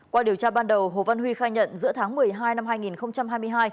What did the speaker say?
qua điều tra ban đầu hồ văn huy khai nhận giữa tháng một mươi hai năm hai nghìn hai mươi hai